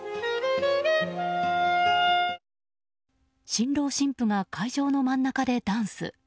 新郎新婦が会場の真ん中でダンス。